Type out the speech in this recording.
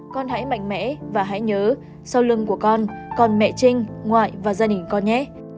con hãy mạnh mẽ và hãy nhớ sau lưng của con còn mẹ trinh ngoại và gia đình con nhé